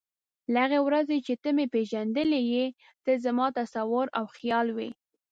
له هغې ورځې چې ته مې پېژندلی یې ته زما تصور او خیال وې.